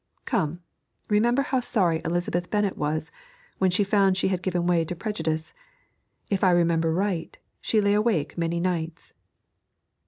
'Come, remember how sorry Elizabeth Bennett was when she found she had given way to prejudice. If I remember right she lay awake many nights.'